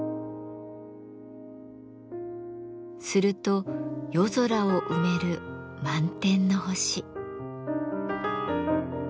すると夜空を埋める満天の星。